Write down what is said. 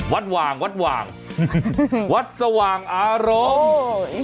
หว่างวัดหว่างวัดสว่างอารมณ์